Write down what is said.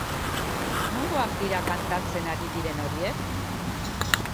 Nongoak dira kantatzen ari diren horiek?